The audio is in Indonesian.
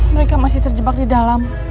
mereka masih terjebak di dalam